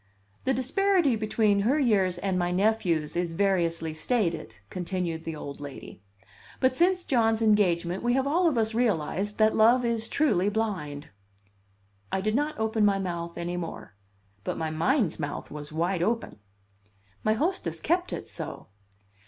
"The disparity between her years and my nephew's is variously stated," continued the old lady. "But since John's engagement we have all of us realized that love is truly blind." I did not open my mouth any more; but my mind's mouth was wide open. My hostess kept it so.